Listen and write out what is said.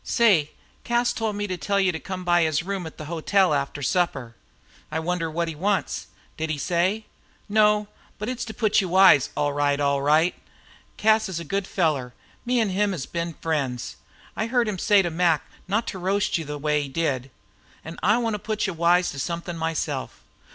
"Say, Cas tol' me to tell you to come to his room at the hotel after supper." "I wonder what he wants. Did he say?" "No. But it's to put you wise, all right, all right. Cas is a good feller. Me an' him has been friends. I heard him say to Mac not to roast you the way he did. An' I wants to put you wise to somethin' myself.